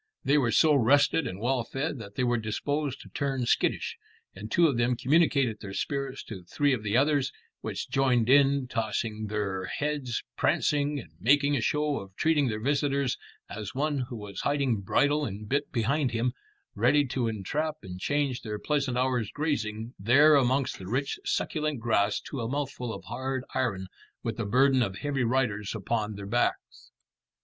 They were so rested and well fed that they were disposed to turn skittish, and two of them communicated their spirits to three of the others, which joined in, tossing their heads, prancing, and making a show of treating their visitor as one who was hiding bridle and bit behind him, ready to entrap and change their pleasant hour's grazing there amongst the rich succulent grass to a mouthful of hard iron with the burden of heavy riders upon their backs.